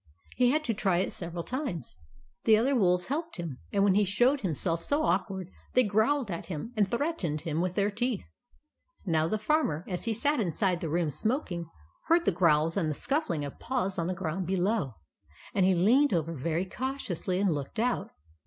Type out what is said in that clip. He had to try it several times. The other 152 THE ADVENTURES OF MABEL wolves helped him; and when he showed himself so awkward, they growled at him, and threatened him with their teeth. Now the Farmer, as he sat inside the room smoking, heard the growls and the scuffling of paws on the ground below; and he leaned over very cautiously and looked out.